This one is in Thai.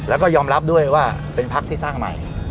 แล้วก็ยอมรับด้วยว่าเป็นพักที่สร้างใหม่